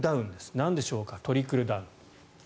なんでしょうかトリクルダウン。